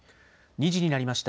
２時になりました。